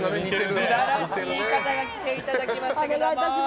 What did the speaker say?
素晴らしい方に来ていただきました。